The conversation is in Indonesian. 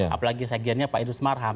apalagi bagiannya pak idus marham